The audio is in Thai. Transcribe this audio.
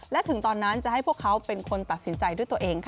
และถึงตอนนั้นจะให้พวกเขาเป็นคนตัดสินใจด้วยตัวเองค่ะ